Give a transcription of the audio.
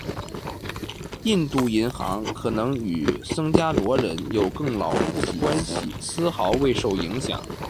印度银行可能与僧伽罗人有更牢固的关系，丝毫未受影响。